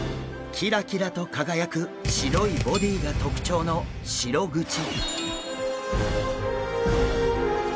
キラキラと輝く白いボディーが特徴のシログチ。